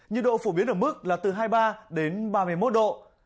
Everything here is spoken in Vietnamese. nhiệt độ phổ biến ở mức là từ hai mươi ba đến ba mươi một độ